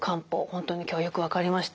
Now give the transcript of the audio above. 本当に今日はよく分かりました。